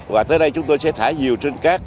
và tới đây chúng tôi sẽ thả nhiều trên cát